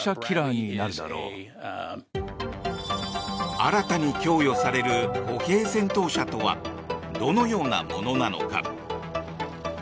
新たに供与される歩兵戦闘車とはどのようなものなのか。